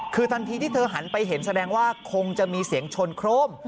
คือทันทีที่เธอหันไปเห็นแสดงว่าคงจะมีเสียงชนโครม